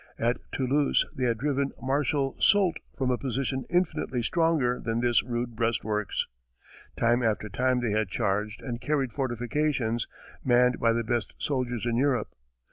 At Toulouse they had driven Marshal Soult from a position infinitely stronger than this rude breastworks; time after time they had charged and carried fortifications, manned by the best soldiers in Europe.